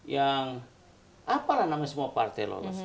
yang apalah namanya semua partai lolos